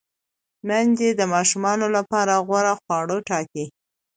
میندې د ماشومانو لپاره غوره خواړه ټاکي۔